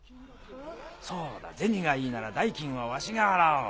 そうだゼニがいいなら代金はわしが払おう。